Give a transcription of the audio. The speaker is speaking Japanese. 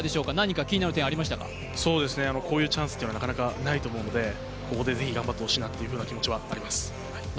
こういうチャンスというのはなかなかないと思うので、ここでぜひ頑張ってほしいなという気持ちはありますね。